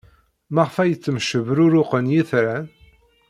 Maɣef ay ttemcebruruqen yitran?